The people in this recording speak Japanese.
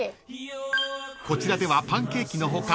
［こちらではパンケーキの他